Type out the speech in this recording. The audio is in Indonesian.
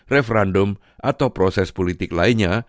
referandom atau proses politik lainnya